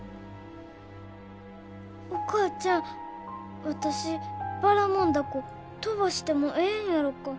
お母ちゃん私ばらもん凧飛ばしてもええんやろか？